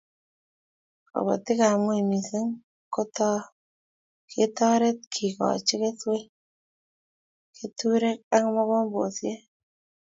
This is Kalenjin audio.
Kobotikab ngweny missing ketoret kekoch keswek, keturek ak mogombesiek